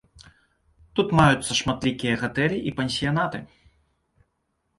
Тут маюцца шматлікія гатэлі і пансіянаты.